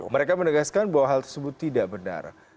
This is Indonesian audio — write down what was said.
mereka menegaskan bahwa hal tersebut tidak benar